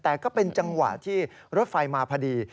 แต่ก็เป็นจังหวะที่รถไฟมาพอดี